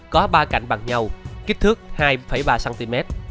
có ba cạnh bằng nhau kích thước hai ba cm